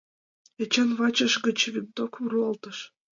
Эчан вачыж гыч винтовкым руалтыш.